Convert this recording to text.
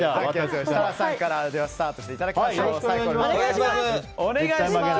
設楽さんからスタートしていただきましょう。